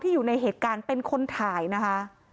อยู่ในเหตุการณ์เป็นคนถ่ายนะคะ